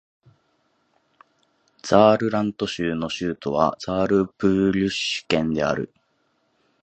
ザールラント州の州都はザールブリュッケンである